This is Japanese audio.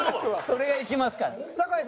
それがいきますから。